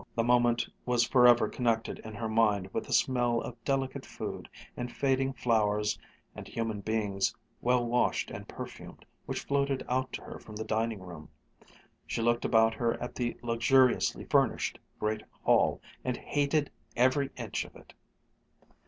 The moment was forever connected in her mind with the smell of delicate food, and fading flowers, and human beings well washed and perfumed, which floated out to her from the dining room. She looked about her at the luxuriously furnished great hall, and hated every inch of it.